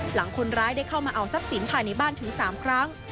หลังคนร้ายได้เข้ามาเอาทรัพย์สินภายในบ้านถึง๓ครั้ง